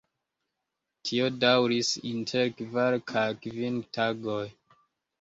Tio daŭris inter kvar kaj kvin tagoj.